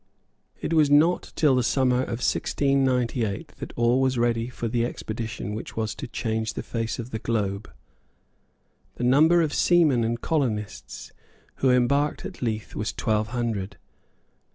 It was not till the summer of 1698 that all was ready for the expedition which was to change the face of the globe. The number of seamen and colonists who embarked at Leith was twelve hundred.